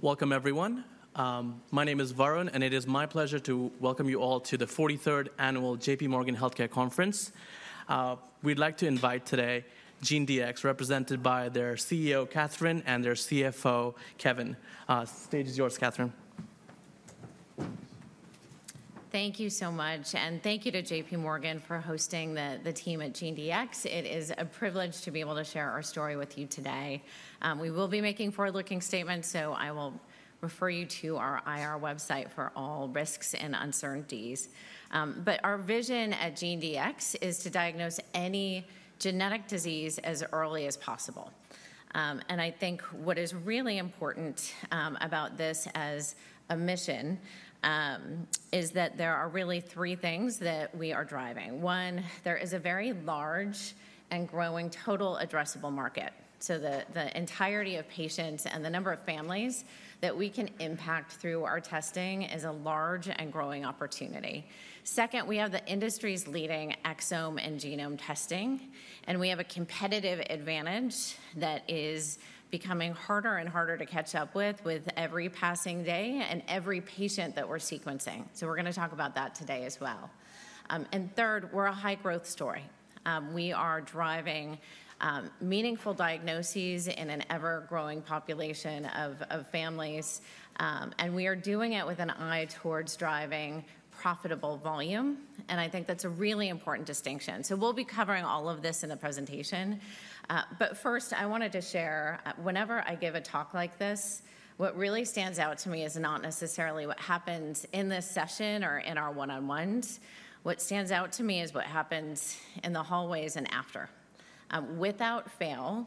Welcome, everyone. My name is Varun, and it is my pleasure to welcome you all to the 43rd Annual J.P. Morgan Healthcare Conference. We'd like to invite today GeneDx, represented by their CEO, Katherine, and their CFO, Kevin. Stage is yours, Katherine. Thank you so much, and thank you to J.P. Morgan for hosting the team at GeneDx. It is a privilege to be able to share our story with you today. We will be making forward-looking statements, so I will refer you to our IR website for all risks and uncertainties. But our vision at GeneDx is to diagnose any genetic disease as early as possible. And I think what is really important about this as a mission is that there are really three things that we are driving. One, there is a very large and growing total addressable market. So the entirety of patients and the number of families that we can impact through our testing is a large and growing opportunity. Second, we have the industry's leading exome and genome testing, and we have a competitive advantage that is becoming harder and harder to catch up with every passing day and every patient that we're sequencing. So we're going to talk about that today as well. And third, we're a high-growth story. We are driving meaningful diagnoses in an ever-growing population of of families. And we are doing it with an eye towards driving profitable volume. And I think that's a really important distinction. So we'll be covering all of this in the presentation. But first, I wanted to share, whenever I give a talk like this, what really stands out to me is not necessarily what happens in this session or in our one-on-ones. What stands out to me is what happens in the hallways and after. Without fail,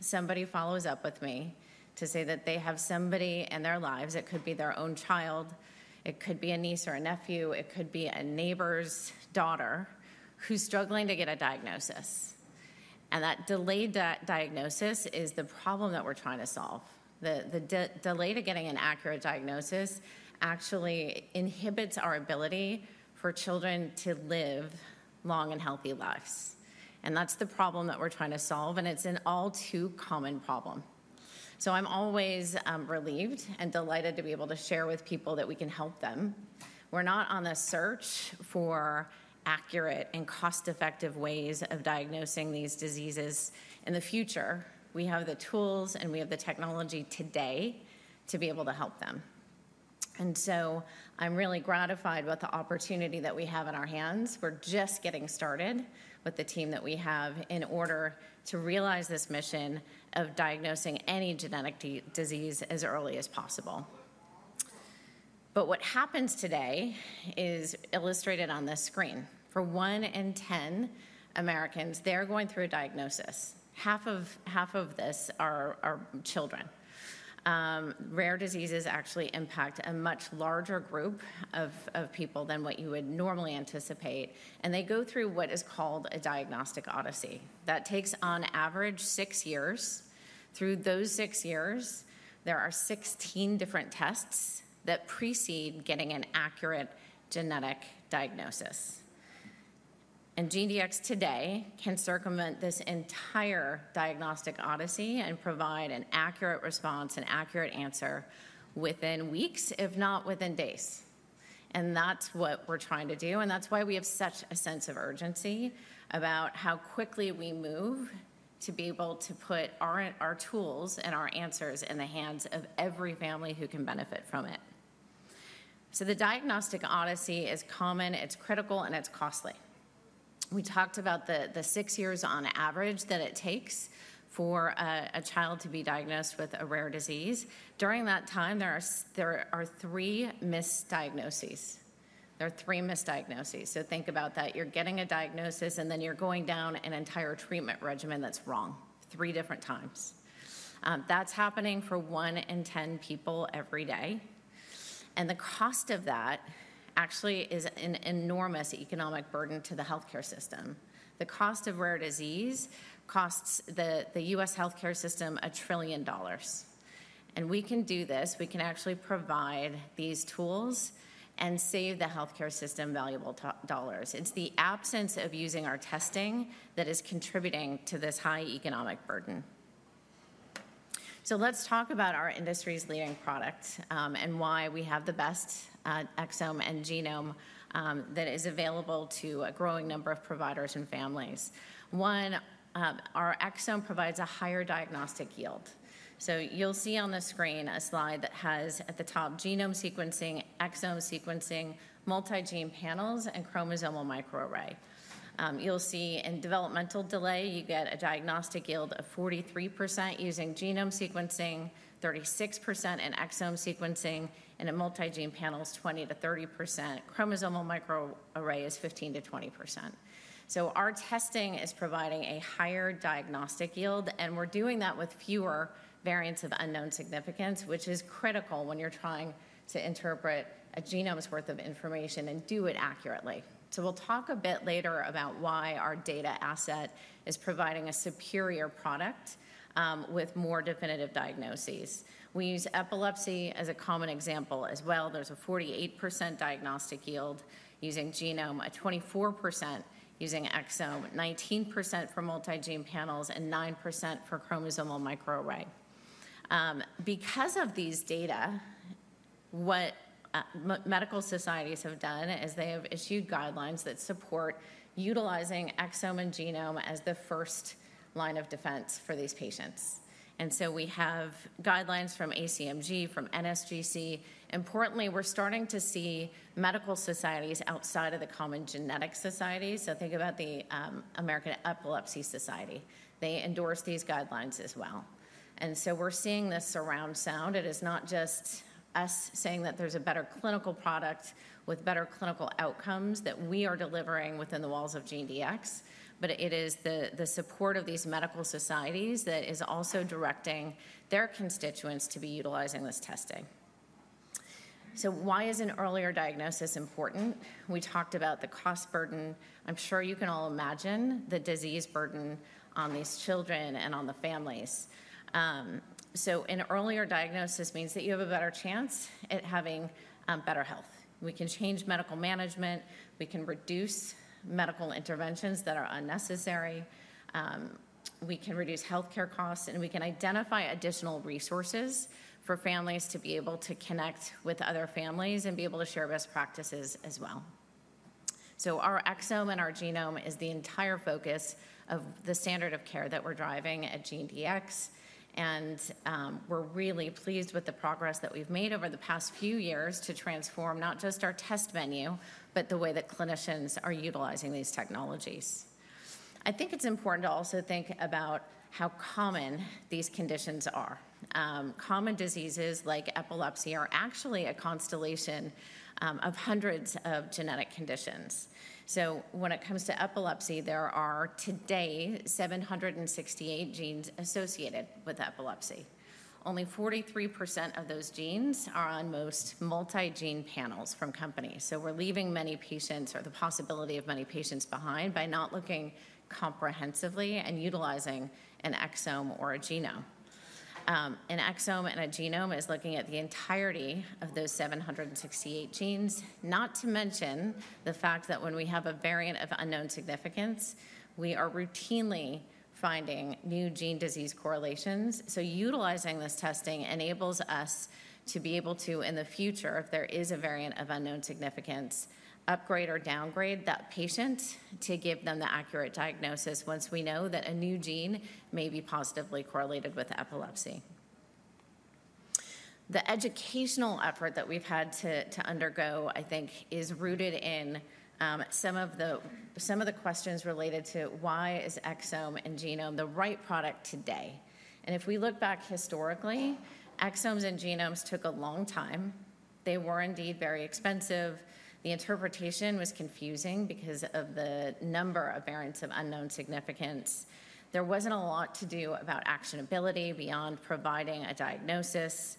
somebody follows up with me to say that they have somebody in their lives. It could be their own child. It could be a niece or a nephew. It could be a neighbor's daughter who's struggling to get a diagnosis, and that delayed diagnosis is the problem that we're trying to solve. The the delay to getting an accurate diagnosis actually inhibits our ability for children to live long and healthy lives, and that's the problem that we're trying to solve, and it's an all-too-common problem, so I'm always relieved and delighted to be able to share with people that we can help them. We're not on the search for accurate and cost-effective ways of diagnosing these diseases. In the future, we have the tools, and we have the technology today to be able to help them. And so I'm really gratified with the opportunity that we have in our hands. We're just getting started with the team that we have in order to realize this mission of diagnosing any genetic disease as early as possible. But what happens today is illustrated on this screen. For one in ten Americans, they're going through a diagnosis. Half, half of this are children. Rare diseases actually impact a much larger group of of people than what you would normally anticipate. And they go through what is called a diagnostic odyssey. That takes, on average, six years. Through those six years, there are 16 different tests that precede getting an accurate genetic diagnosis. And GeneDx today can circumvent this entire diagnostic odyssey and provide an accurate response and accurate answer within weeks, if not within days. And that's what we're trying to do. And that's why we have such a sense of urgency about how quickly we move to be able to put our tools and our answers in the hands of every family who can benefit from it. So the diagnostic odyssey is common. It's critical, and it's costly. We talked about the six years on average that it takes for a child to be diagnosed with a rare disease. During that time, there are three misdiagnoses. There are three misdiagnoses. Think about that. You're getting a diagnosis, and then you're going down an entire treatment regimen that's wrong three different times. That's happening for one in ten people every day. And the cost of that actually is an enormous economic burden to the healthcare system. The cost of rare disease costs the U.S. healthcare system $1 trillion. And we can do this. We can actually provide these tools and save the healthcare system valuable dollars. It's the absence of using our testing that is contributing to this high economic burden. So let's talk about our industry's leading product and why we have the best exome and genome that is available to a growing number of providers and families. One, our exome provides a higher diagnostic yield. So you'll see on the screen a slide that has, at the top, genome sequencing, exome sequencing, multi-gene panels, and chromosomal microarray. You'll see in developmental delay, you get a diagnostic yield of 43% using genome sequencing, 36% in exome sequencing, and in multi-gene panels, 20% to 30%. Chromosomal microarray is 15% to 20%. So our testing is providing a higher diagnostic yield, and we're doing that with fewer variants of unknown significance, which is critical when you're trying to interpret a genome's worth of information and do it accurately. So we'll talk a bit later about why our data asset is providing a superior product with more definitive diagnoses. We use epilepsy as a common example as well. There's a 48% diagnostic yield using genome, a 24% using exome, 19% for multi-gene panels, and 9% for chromosomal microarray. Because of these data, what medical societies have done is they have issued guidelines that support utilizing exome and genome as the first line of defense for these patients. And so we have guidelines from ACMG, from NSGC. Importantly, we're starting to see medical societies outside of the common genetic society. So think about the American Epilepsy Society. They endorse these guidelines as well. And so we're seeing this surround sound. It is not just us saying that there's a better clinical product with better clinical outcomes that we are delivering within the walls of GeneDx, but it is the support of these medical societies that is also directing their constituents to be utilizing this testing. So why is an earlier diagnosis important? We talked about the cost burden. I'm sure you can all imagine the disease burden on these children and on the families. So an earlier diagnosis means that you have a better chance at having better health. We can change medical management. We can reduce medical interventions that are unnecessary. We can reduce healthcare costs, and we can identify additional resources for families to be able to connect with other families and be able to share best practices as well. So our exome and our genome is the entire focus of the standard of care that we're driving at GeneDx. And we're really pleased with the progress that we've made over the past few years to transform not just our test menu, but the way that clinicians are utilizing these technologies. I think it's important to also think about how common these conditions are. Common diseases like epilepsy are actually a constellation of hundreds of genetic conditions. So when it comes to epilepsy, there are today 768 genes associated with epilepsy. Only 43% of those genes are on most multi-gene panels from companies. So we're leaving many patients or the possibility of many patients behind by not looking comprehensively and utilizing an exome or a genome. An exome and a genome is looking at the entirety of those 768 genes, not to mention the fact that when we have a variant of unknown significance, we are routinely finding new gene disease correlations, so utilizing this testing enables us to be able to, in the future, if there is a variant of unknown significance, upgrade or downgrade that patient to give them the accurate diagnosis once we know that a new gene may be positively correlated with epilepsy. The educational effort that we've had to undergo, I think, is rooted in some of the, some of the questions related to why is exome and genome the right product today, and if we look back historically, exomes and genomes took a long time. They were indeed very expensive. The interpretation was confusing because of the number of variants of unknown significance. There wasn't a lot to do about actionability beyond providing a diagnosis,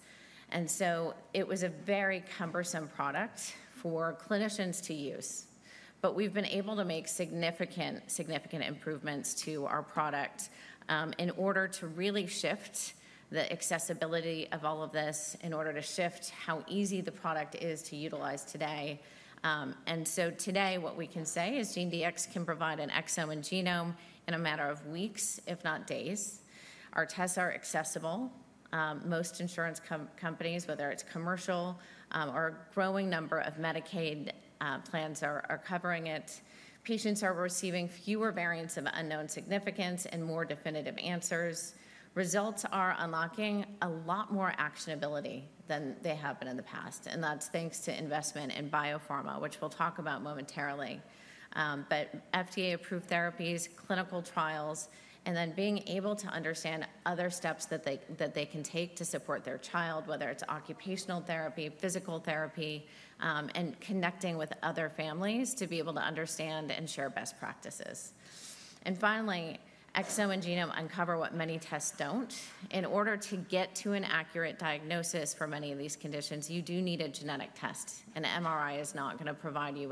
and so it was a very cumbersome product for clinicians to use, but we've been able to make significant, significant improvements to our product in order to really shift the accessibility of all of this, in order to shift how easy the product is to utilize today, and so today, what we can say is GeneDx can provide an exome and genome in a matter of weeks, if not days. Our tests are accessible. Most insurance companies, whether it's commercial or a growing number of Medicaid plans, are covering it. Patients are receiving fewer variants of unknown significance and more definitive answers, results are unlocking a lot more actionability than they have been in the past, and that's thanks to investment in biopharma, which we'll talk about momentarily. But FDA-approved therapies, clinical trials, and then being able to understand other steps that they can take to support their child, whether it's occupational therapy, physical therapy, and connecting with other families to be able to understand and share best practices. And finally, exome and genome uncover what many tests don't. In order to get to an accurate diagnosis for many of these conditions, you do need a genetic test. An MRI is not going to provide you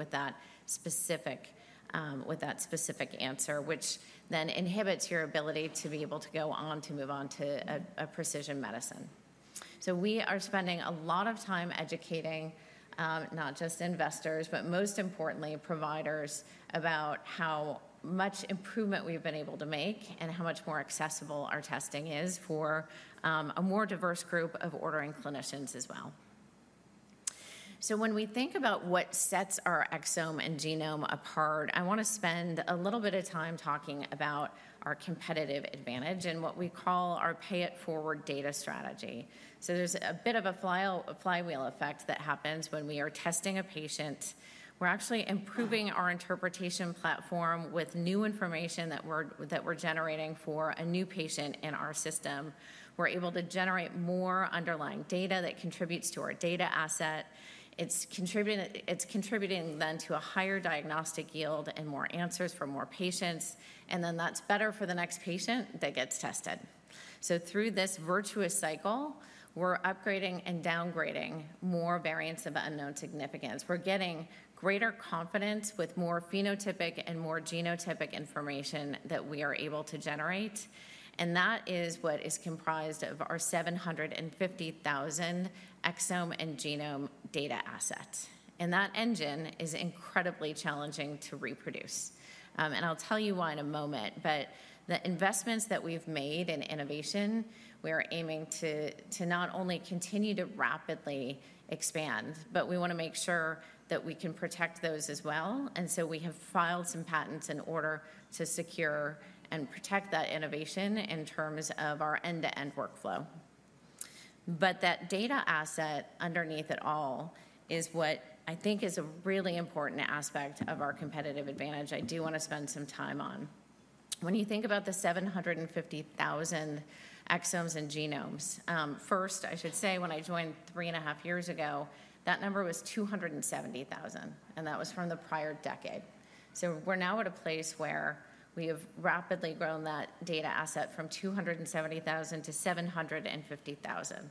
with that specific answer, which then inhibits your ability to be able to go on to move on to a precision medicine. So we are spending a lot of time educating not just investors, but most importantly, providers about how much improvement we've been able to make and how much more accessible our testing is for a more diverse group of ordering clinicians as well. So when we think about what sets our exome and genome apart, I want to spend a little bit of time talking about our competitive advantage and what we call our pay-it-forward data strategy. So there's a bit of a flywheel effect that happens when we are testing a patient. We're actually improving our interpretation platform with new information that we're generating for a new patient in our system. We're able to generate more underlying data that contributes to our data asset. It's contributing, it's contributing then to a higher diagnostic yield and more answers for more patients. And then that's better for the next patient that gets tested. So through this virtuous cycle, we're upgrading and downgrading more variants of unknown significance. We're getting greater confidence with more phenotypic and more genotypic information that we are able to generate. And that is what is comprised of our 750,000 exome and genome data assets. And that engine is incredibly challenging to reproduce. And I'll tell you why in a moment. That the investments that we've made in innovation, we are aiming to not only continue to rapidly expand, but we want to make sure that we can protect those as well. And so we have filed some patents in order to secure and protect that innovation in terms of our end-to-end workflow. But that data asset underneath it all is what I think is a really important aspect of our competitive advantage, I do want to spend some time on. When you think about the 750,000 exomes and genomes, first, I should say, when I joined three and a half years ago, that number was 270,000, and that was from the prior decade. So we're now at a place where we have rapidly grown that data asset from 270,000 to 750,000.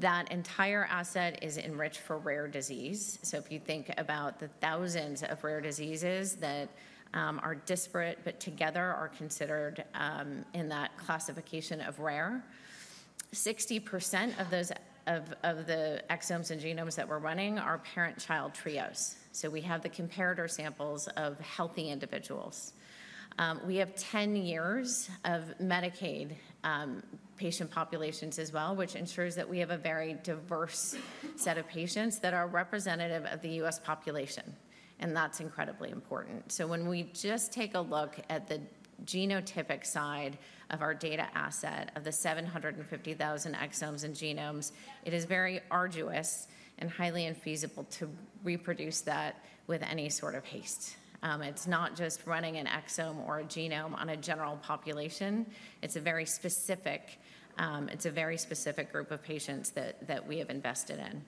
That entire asset is enriched for rare disease. So if you think about the thousands of rare diseases that are disparate but together are considered in that classification of rare, 60% of the exomes and genomes that we're running are parent-child trios. So we have the comparator samples of healthy individuals. We have 10 years of Medicaid patient populations as well, which ensures that we have a very diverse set of patients that are representative of the U.S. population. And that's incredibly important. So when we just take a look at the genotypic side of our data asset of the 750,000 exomes and genomes, it is very arduous and highly infeasible to reproduce that with any sort of haste. It's not just running an exome or a genome on a general population. It's a very specific, it's a very specific group of patients that that we have invested in.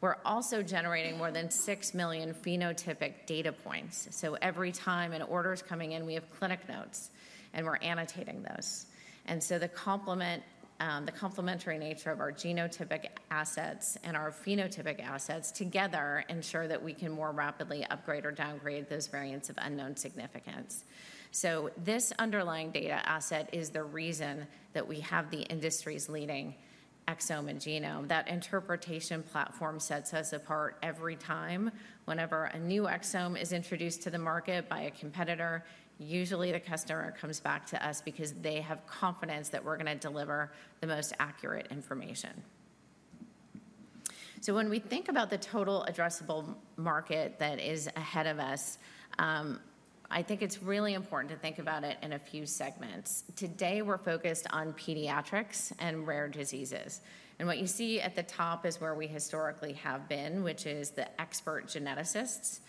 We're also generating more than six million phenotypic data points. So every time an order is coming in, we have clinic notes, and we're annotating those. And so the complement, complementary nature of our genotypic assets and our phenotypic assets together ensure that we can more rapidly upgrade or downgrade those variants of unknown significance. So this underlying data asset is the reason that we have the industry's leading exome and genome. That interpretation platform sets us apart every time whenever a new exome is introduced to the market by a competitor. Usually, the customer comes back to us because they have confidence that we're going to deliver the most accurate information. So when we think about the total addressable market that is ahead of us, I think it's really important to think about it in a few segments. Today, we're focused on pediatrics and rare diseases. And what you see at the top is where we historically have been, which is the expert geneticists.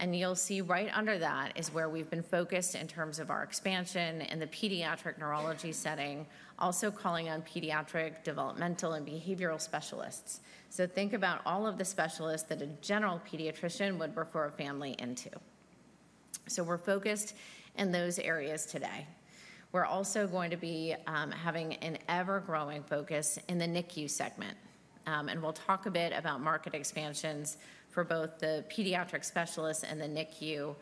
And you'll see right under that is where we've been focused in terms of our expansion in the pediatric neurology setting, also calling on pediatric developmental and behavioral specialists. So think about all of the specialists that a general pediatrician would refer a family into. So we're focused in those areas today. We're also going to be having an ever-growing focus in the NICU segment. And we'll talk a bit about market expansions for both the pediatric specialists and the NICU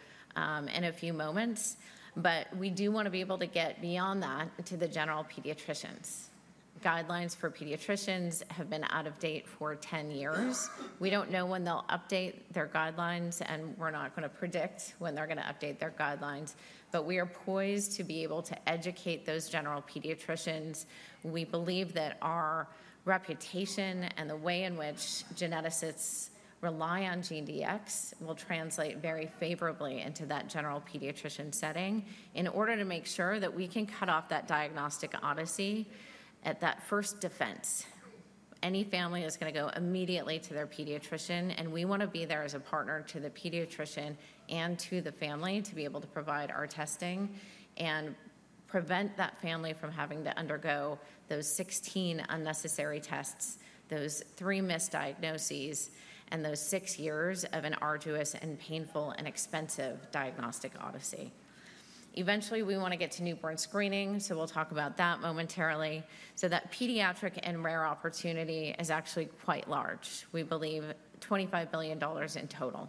in a few moments. But we do want to be able to get beyond that to the general pediatricians. Guidelines for pediatricians have been out of date for 10 years. We don't know when they'll update their guidelines, and we're not going to predict when they're going to update their guidelines. But we are poised to be able to educate those general pediatricians. We believe that our reputation and the way in which geneticists rely on GeneDx will translate very favorably into that general pediatrician setting in order to make sure that we can cut off that diagnostic odyssey at that first defense. Any family is going to go immediately to their pediatrician. And we want to be there as a partner to the pediatrician and to the family to be able to provide our testing and prevent that family from having to undergo those 16 unnecessary tests, those three misdiagnoses, and those six years of an arduous and painful and expensive diagnostic odyssey. Eventually, we want to get to newborn screening. So we'll talk about that momentarily. So that pediatric and rare opportunity is actually quite large. We believe $25 billion in total.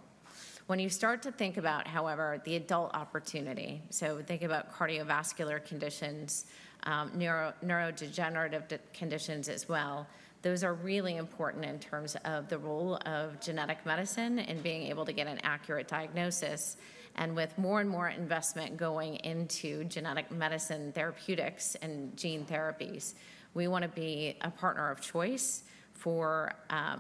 When you start to think about, however, the adult opportunity, so think about cardiovascular conditions, neurodegenerative conditions as well, those are really important in terms of the role of genetic medicine in being able to get an accurate diagnosis. And with more and more investment going into genetic medicine, therapeutics, and gene therapies, we want to be a partner of choice for,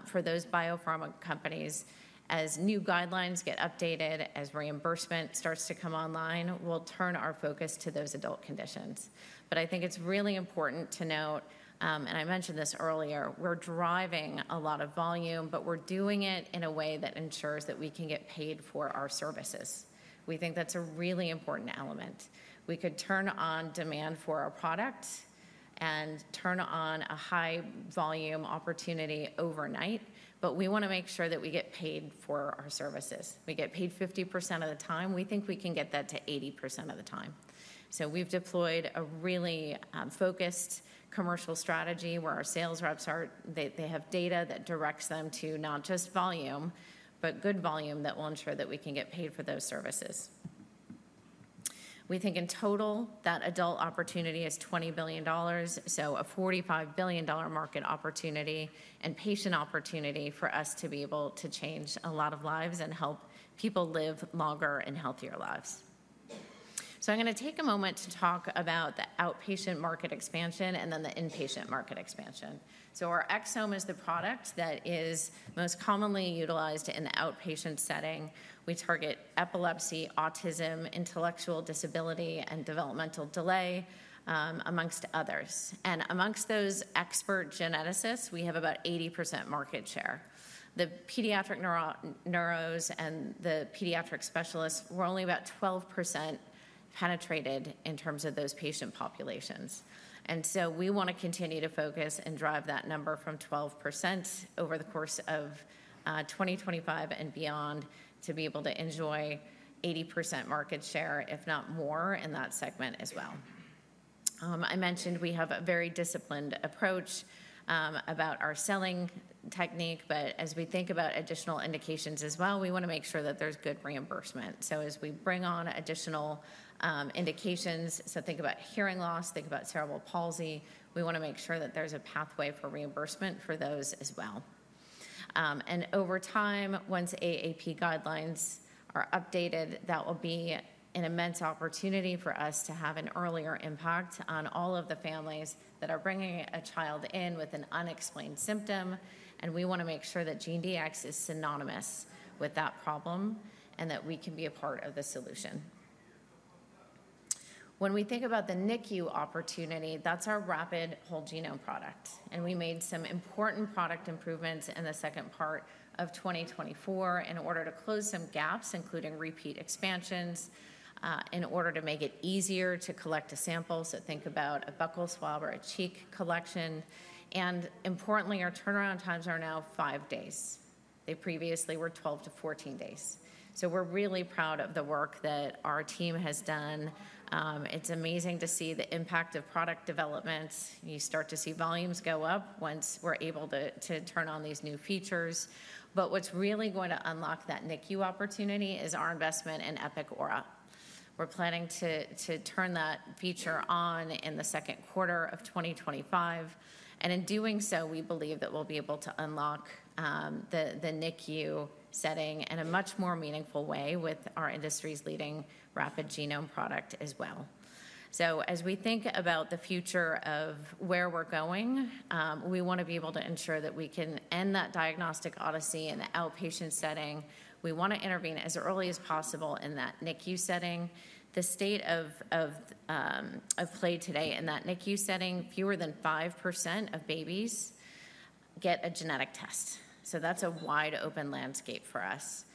for those biopharma companies as new guidelines get updated, as reimbursement starts to come online. We'll turn our focus to those adult conditions. But I think it's really important to note, and I mentioned this earlier, we're driving a lot of volume, but we're doing it in a way that ensures that we can get paid for our services. We think that's a really important element. We could turn on demand for our product and turn on a high-volume opportunity overnight, but we want to make sure that we get paid for our services. We get paid 50% of the time. We think we can get that to 80% of the time. So we've deployed a really focused commercial strategy where our sales reps are. They have data that directs them to not just volume, but good volume that will ensure that we can get paid for those services. We think in total that adult opportunity is $20 billion, so a $45 billion market opportunity and patient opportunity for us to be able to change a lot of lives and help people live longer and healthier lives. So I'm going to take a moment to talk about the outpatient market expansion and then the inpatient market expansion. So our exome is the product that is most commonly utilized in the outpatient setting. We target epilepsy, autism, intellectual disability, and developmental delay, amongst others. Amongst those expert geneticists, we have about 80% market share. The pediatric neuros and the pediatric specialists were only about 12% penetrated in terms of those patient populations. And so we want to continue to focus and drive that number from 12% over the course of 2025 and beyond to be able to enjoy 80% market share, if not more, in that segment as well. I mentioned we have a very disciplined approach about our selling technique. But as we think about additional indications as well, we want to make sure that there's good reimbursement. So as we bring on additional indications, so think about hearing loss, think about cerebral palsy, we want to make sure that there's a pathway for reimbursement for those as well. And over time, once AAP guidelines are updated, that will be an immense opportunity for us to have an earlier impact on all of the families that are bringing a child in with an unexplained symptom. And we want to make sure that GeneDx is synonymous with that problem and that we can be a part of the solution. When we think about the NICU opportunity, that's our Rapid Whole Genome product. And we made some important product improvements in the second part of 2024 in order to close some gaps, including repeat expansions, in order to make it easier to collect a sample. So think about a buccal swab or a cheek collection. And importantly, our turnaround times are now five days. They previously were 12-14 days. We're really proud of the work that our team has done. It's amazing to see the impact of product development. You start to see volumes go up once we're able to turn on these new features. But what's really going to unlock that NICU opportunity is our investment in Epic Aura. We're planning to turn that feature on in the second quarter of 2025. And in doing so, we believe that we'll be able to unlock the NICU setting in a much more meaningful way with our industry's leading rapid genome product as well. So as we think about the future of where we're going, we want to be able to ensure that we can end that diagnostic odyssey in the outpatient setting. We want to intervene as early as possible in that NICU setting. The state of of of play today in that NICU setting, fewer than 5% of babies get a genetic test, so that's a wide open landscape for us.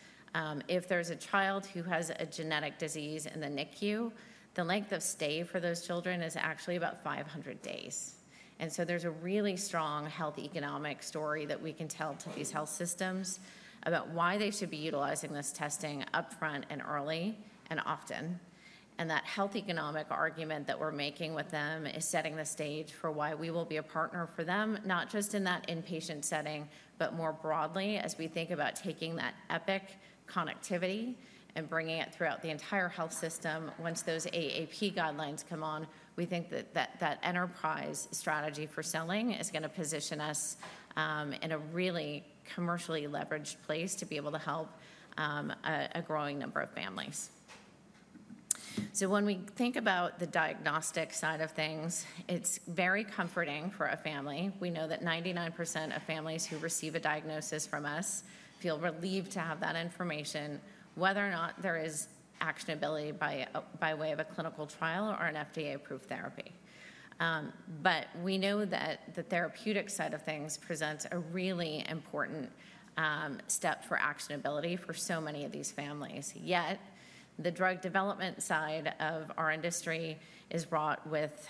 If there's a child who has a genetic disease in the NICU, the length of stay for those children is actually about 500 days, and so there's a really strong health economic story that we can tell to these health systems about why they should be utilizing this testing upfront and early and often, and that health economic argument that we're making with them is setting the stage for why we will be a partner for them, not just in that inpatient setting, but more broadly as we think about taking that Epic connectivity and bringing it throughout the entire health system. Once those AAP guidelines come on, we think that that enterprise strategy for selling is going to position us in a really commercially leveraged place to be able to help a growing number of families. So when we think about the diagnostic side of things, it's very comforting for a family. We know that 99% of families who receive a diagnosis from us feel relieved to have that information, whether or not there is actionability by by way of a clinical trial or an FDA-approved therapy. But we know that the therapeutic side of things presents a really important step for actionability for so many of these families. Yet the drug development side of our industry is brought with,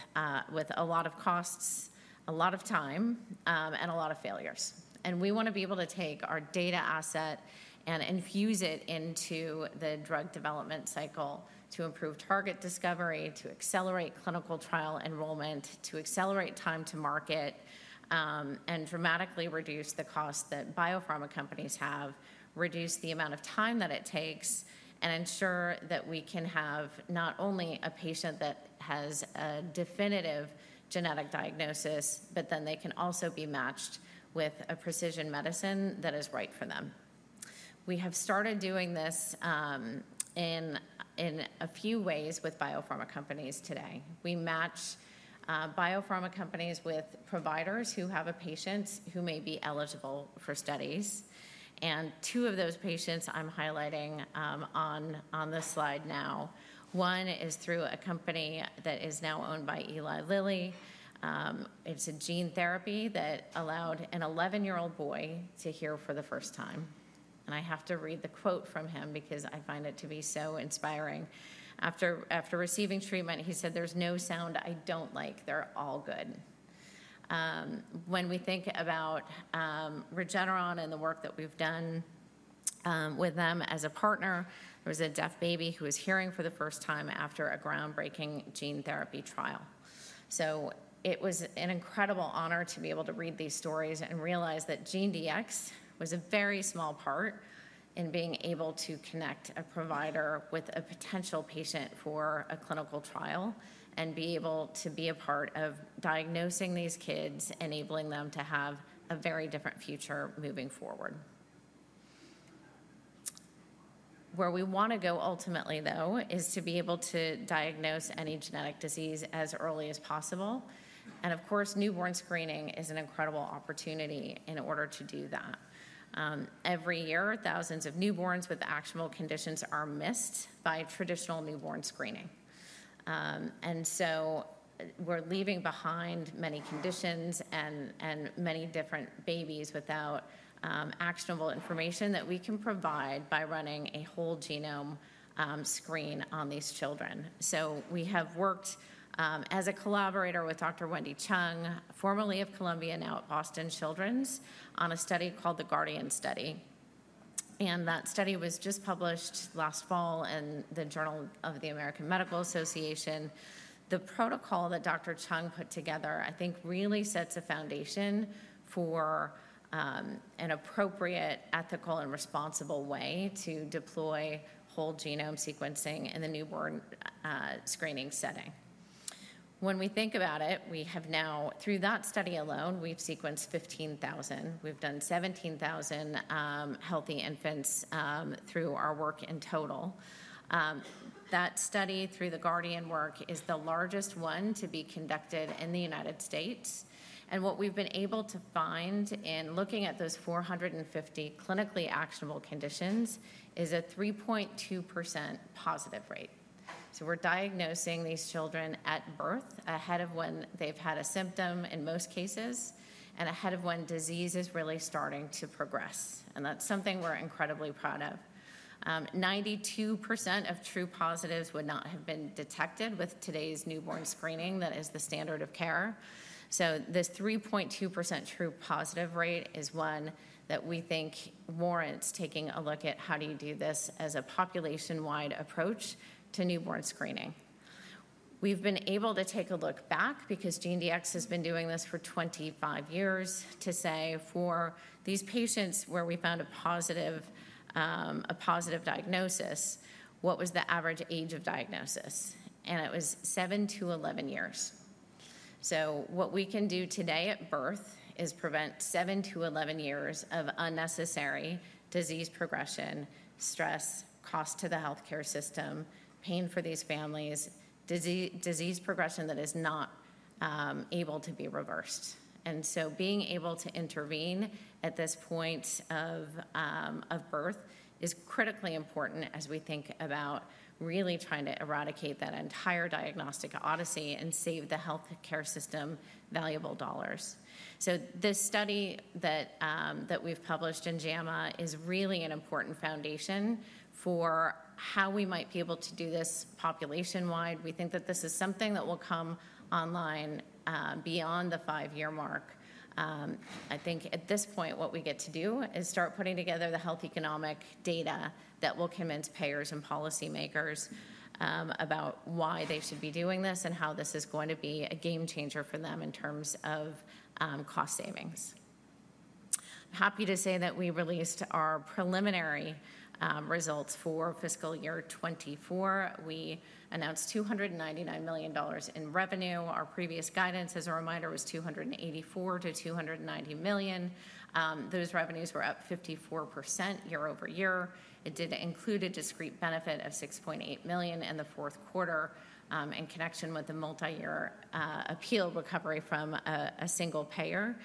with a lot of costs, a lot of time, and a lot of failures. And we want to be able to take our data asset and infuse it into the drug development cycle to improve target discovery, to accelerate clinical trial enrollment, to accelerate time to market, and dramatically reduce the costs that biopharma companies have, reduce the amount of time that it takes, and ensure that we can have not only a patient that has a definitive genetic diagnosis, but then they can also be matched with a precision medicine that is right for them. We have started doing this in in a few ways with biopharma companies today. We match biopharma companies with providers who have a patient who may be eligible for studies. And two of those patients I'm highlighting on this slide now, one is through a company that is now owned by Eli Lilly. It's a gene therapy that allowed an 11-year-old boy to hear for the first time. I have to read the quote from him because I find it to be so inspiring. After receiving treatment, he said, "There's no sound I don't like. They're all good." When we think about Regeneron and the work that we've done with them as a partner, there was a deaf baby who was hearing for the first time after a groundbreaking gene therapy trial. So it was an incredible honor to be able to read these stories and realize that GeneDx was a very small part in being able to connect a provider with a potential patient for a clinical trial and be able to be a part of diagnosing these kids, enabling them to have a very different future moving forward. Where we want to go ultimately, though, is to be able to diagnose any genetic disease as early as possible. And of course, newborn screening is an incredible opportunity in order to do that. Every year, thousands of newborns with actionable conditions are missed by traditional newborn screening. And so we're leaving behind many conditions and and many different babies without actionable information that we can provide by running a whole genome screen on these children. So we have worked as a collaborator with Dr. Wendy Chung, formerly of Columbia, now at Boston Children's, on a study called the GUARDIAN Study. And that study was just published last fall in the Journal of the American Medical Association. The protocol that Dr. Chung put together, I think, really sets a foundation for an appropriate, ethical, and responsible way to deploy whole genome sequencing in the newborn screening setting. When we think about it, we have now, through that study alone, we've sequenced 15,000. We've done 17,000 healthy infants through our work in total. That study through the Guardian work is the largest one to be conducted in the United States. And what we've been able to find in looking at those 450 clinically actionable conditions is a 3.2% positive rate. So we're diagnosing these children at birth, ahead of when they've had a symptom in most cases, and ahead of when disease is really starting to progress. And that's something we're incredibly proud of. 92% of true positives would not have been detected with today's newborn screening that is the standard of care. So this 3.2% true positive rate is one that we think warrants taking a look at how do you do this as a population-wide approach to newborn screening. We've been able to take a look back because GeneDx has been doing this for 25 years to say for these patients where we found a positive, a positive diagnosis, what was the average age of diagnosis? And it was seven to 11 years. So what we can do today at birth is prevent seven to 11 years of unnecessary disease progression, stress, cost to the healthcare system, pain for these families, disease disease progression that is not able to be reversed. And so being able to intervene at this point of birth is critically important as we think about really trying to eradicate that entire diagnostic odyssey and save the healthcare system valuable dollars. So this study that, that we've published in JAMA is really an important foundation for how we might be able to do this population-wide. We think that this is something that will come online beyond the five-year mark. I think at this point, what we get to do is start putting together the health economic data that will convince payers and policymakers about why they should be doing this and how this is going to be a game changer for them in terms of cost savings. I'm happy to say that we released our preliminary results for fiscal year 2024. We announced $299 million in revenue. Our previous guidance, as a reminder, was $284-$290 million. Those revenues were up 54% year over year. It did include a discrete benefit of $6.8 million in the fourth quarter in connection with the multi-year appeal recovery from a single payer,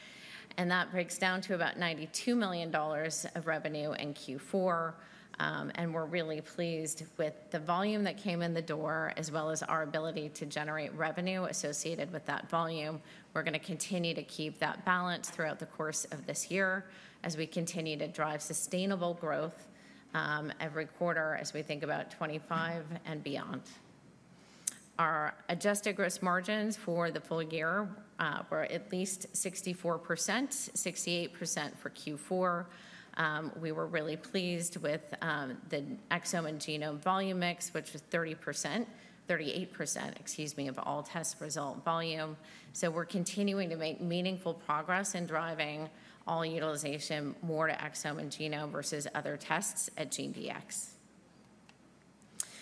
and that breaks down to about $92 million of revenue in Q4, and we're really pleased with the volume that came in the door, as well as our ability to generate revenue associated with that volume. We're going to continue to keep that balance throughout the course of this year as we continue to drive sustainable growth every quarter as we think about 2025 and beyond. Our adjusted gross margins for the full year were at least 64%, 68% for Q4. We were really pleased with the exome and genome volume mix, which was 30%, 38%, excuse me, of all test result volume, so we're continuing to make meaningful progress in driving all utilization more to exome and genome versus other tests at GeneDx,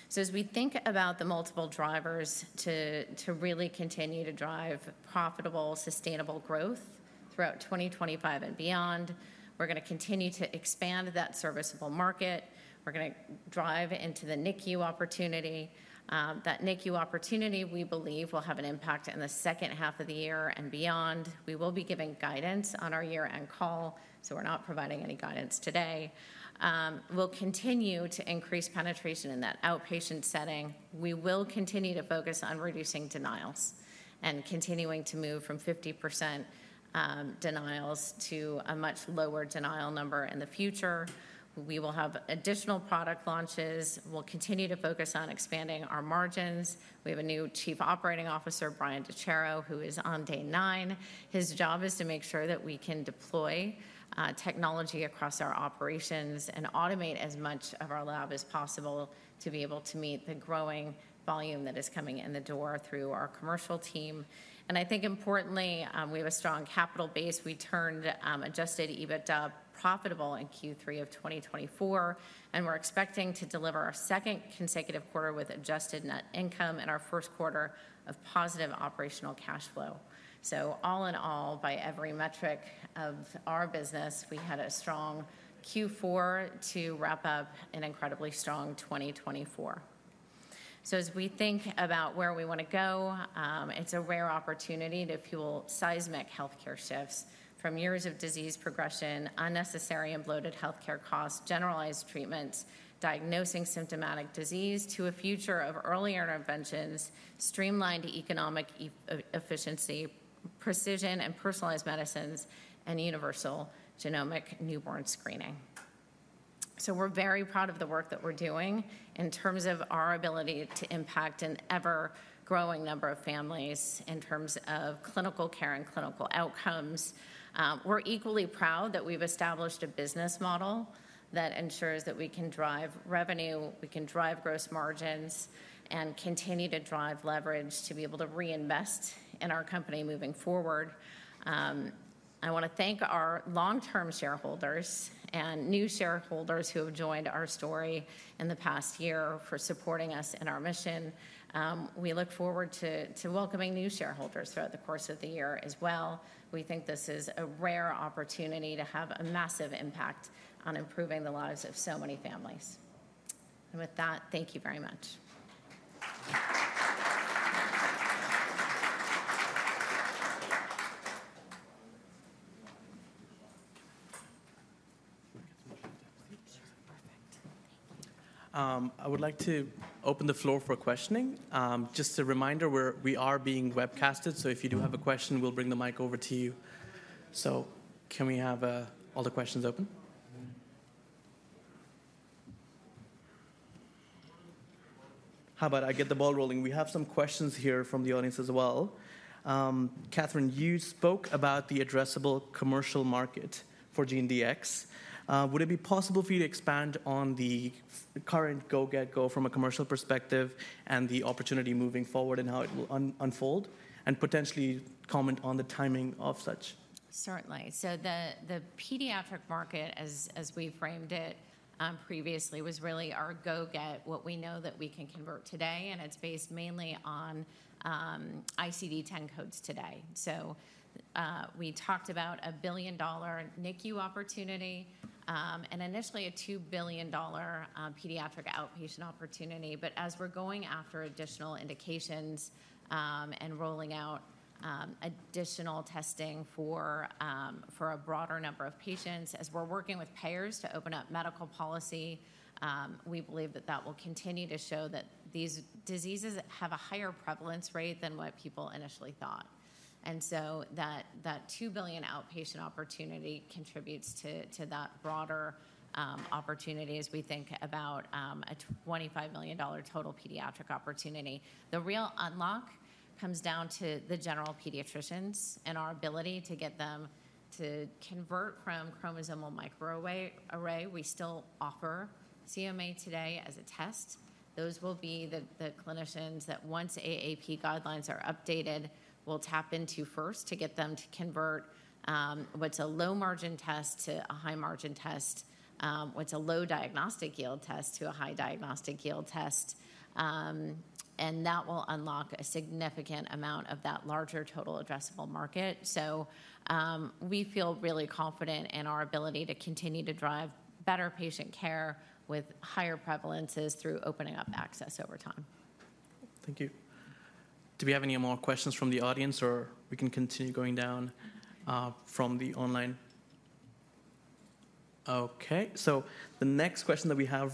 so as we think about the multiple drivers to really continue to drive profitable, sustainable growth throughout 2025 and beyond, we're going to continue to expand that serviceable market. We're going to drive into the NICU opportunity. That NICU opportunity, we believe, will have an impact in the second half of the year and beyond. We will be giving guidance on our year-end call, so we're not providing any guidance today. We'll continue to increase penetration in that outpatient setting. We will continue to focus on reducing denials and continuing to move from 50% denials to a much lower denial number in the future. We will have additional product launches. We'll continue to focus on expanding our margins. We have a new Chief Operating Officer, Brian Dechairo, who is on day nine. His job is to make sure that we can deploy technology across our operations and automate as much of our lab as possible to be able to meet the growing volume that is coming in the door through our commercial team, and I think importantly, we have a strong capital base. We turned Adjusted EBITDA profitable in Q3 of 2024, and we're expecting to deliver our second consecutive quarter with adjusted net income and our first quarter of positive operational cash flow. So all in all, by every metric of our business, we had a strong Q4 to wrap up an incredibly strong 2024. So as we think about where we want to go, it's a rare opportunity to fuel seismic healthcare shifts from years of disease progression, unnecessary and bloated healthcare costs, generalized treatments, diagnosing symptomatic disease to a future of earlier interventions, streamlined economic efficiency, precision and personalized medicines, and universal genomic newborn screening. So we're very proud of the work that we're doing in terms of our ability to impact an ever-growing number of families in terms of clinical care and clinical outcomes. We're equally proud that we've established a business model that ensures that we can drive revenue, we can drive gross margins, and continue to drive leverage to be able to reinvest in our company moving forward. I want to thank our long-term shareholders and new shareholders who have joined our story in the past year for supporting us in our mission. We look forward to welcoming new shareholders throughout the course of the year as well. We think this is a rare opportunity to have a massive impact on improving the lives of so many families. And with that, thank you very much. I would like to open the floor for questioning. Just a reminder, we are being webcasted, so if you do have a question, we'll bring the mic over to you. So can we have all the questions open? How about I get the ball rolling? We have some questions here from the audience as well. Katherine, you spoke about the addressable commercial market for GeneDx. Would it be possible for you to expand on the current go-to-market from a commercial perspective and the opportunity moving forward and how it will unfold, and potentially comment on the timing of such? Certainly. So the pediatric market, as as we framed it previously, was really our go-get, what we know that we can convert today, and it's based mainly on ICD-10 codes today. So we talked about a $1 billion NICU opportunity and initially a $2 billion pediatric outpatient opportunity. But as we're going after additional indications and rolling out additional testing for a, for a broader number of patients, as we're working with payers to open up medical policy, we believe that that will continue to show that these diseases have a higher prevalence rate than what people initially thought. And so that $2 billion outpatient opportunity contributes to that broader opportunity as we think about a $25 million total pediatric opportunity. The real unlock comes down to the general pediatricians and our ability to get them to convert from chromosomal microarray. We still offer CMA today as a test. Those will be the clinicians that once AAP guidelines are updated, we'll tap into first to get them to convert what's a low-margin test to a high-margin test, what's a low diagnostic yield test to a high diagnostic yield test, and that will unlock a significant amount of that larger total addressable market, so we feel really confident in our ability to continue to drive better patient care with higher prevalences through opening up access over time. Thank you. Do we have any more questions from the audience, or we can continue going down from the online? Okay. So the next question that we have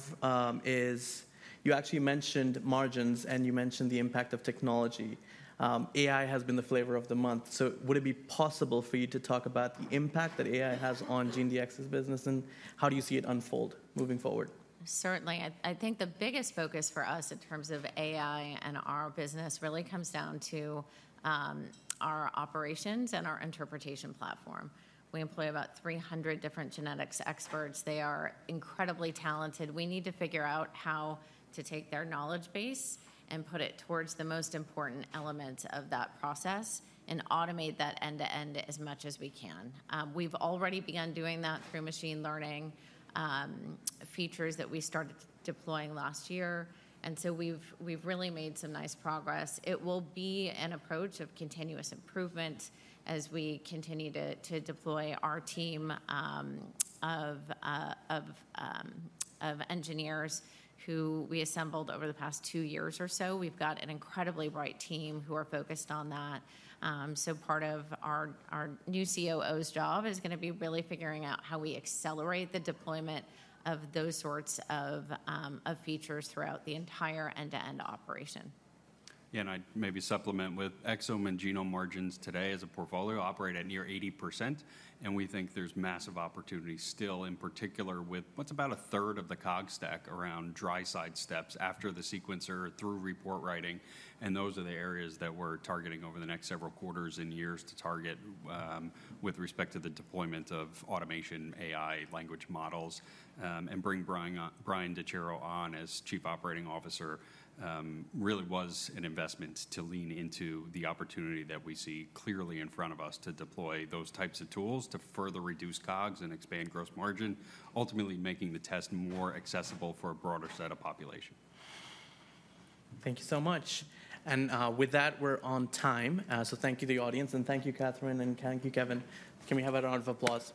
is, you actually mentioned margins and you mentioned the impact of technology. AI has been the flavor of the month. So would it be possible for you to talk about the impact that AI has on GeneDx's business, and how do you see it unfold moving forward? Certainly. I think the biggest focus for us in terms of AI and our business really comes down to our operations and our interpretation platform. We employ about 300 different genetics experts. They are incredibly talented. We need to figure out how to take their knowledge base and put it towards the most important elements of that process and automate that end-to-end as much as we can. We've already begun doing that through machine learning features that we started deploying last year. And so we've really made some nice progress. It will be an approach of continuous improvement as we continue to deploy our team of of of engineers who we assembled over the past two years or so. We've got an incredibly bright team who are focused on that. So part of our, our new COO's job is going to be really figuring out how we accelerate the deployment of those sorts of features throughout the entire end-to-end operation. Yeah, and I'd maybe supplement with exome and genome margins today as a portfolio operate at near 80%. And we think there's massive opportunity still, in particular with what's about a third of the COGS stack around downstream steps after the sequencer through report writing. And those are the areas that we're targeting over the next several quarters and years to target with respect to the deployment of automation, AI, language models. And bring Brian Dechairo on as Chief Operating Officer really was an investment to lean into the opportunity that we see clearly in front of us to deploy those types of tools to further reduce COGS and expand gross margin, ultimately making the test more accessible for a broader set of population. Thank you so much. And with that, we're on time. So thank you to the audience, and thank you, Katherine, and thank you, Kevin. Can we have a round of applause?